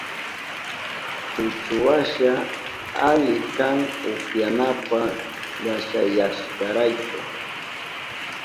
Chuchuwasha ali kan upyanapa llashayashkarayku.